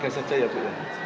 kecelak warga saja ya bu